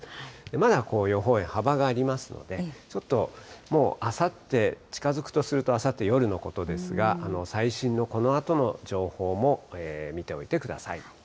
まだ予報円、幅がありますので、ちょっともうあさって、近づくとすると、あさって夜のことですが、最新のこのあとの情報も見ておいてください。